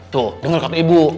tuh denger kak ibu